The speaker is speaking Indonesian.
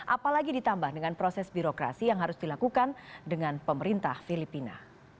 apalagi ditambah dengan proses birokrasi yang harus dilakukan dengan pemerintah filipina